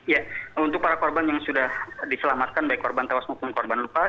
ya untuk para korban yang sudah diselamatkan baik korban tewas maupun korban lupa